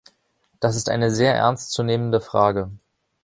Das ist eine sehr ernst zu nehmende Frage.